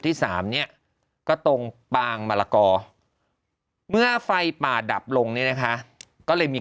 ที่สามเนี่ยก็ตรงปางมะละกอเมื่อไฟป่าดับลงเนี่ยนะคะก็เลยมี